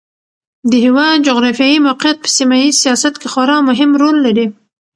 د هېواد جغرافیایي موقعیت په سیمه ییز سیاست کې خورا مهم رول لري.